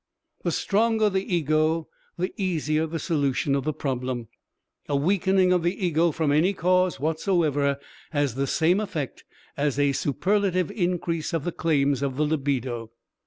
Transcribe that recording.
The stronger the ego, the easier the solution of the problem; a weakening of the ego from any cause whatsoever has the same effect as a superlative increase of the claims of the libido.